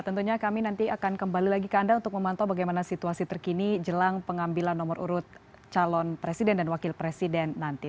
tentunya kami nanti akan kembali lagi ke anda untuk memantau bagaimana situasi terkini jelang pengambilan nomor urut calon presiden dan wakil presiden nanti